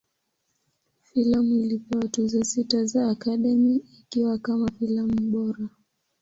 Filamu ilipewa Tuzo sita za Academy, ikiwa kama filamu bora.